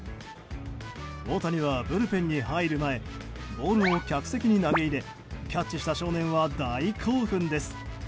大谷はブルペンに入る前ボールを客席に投げ入れキャッチした少年は大興奮です。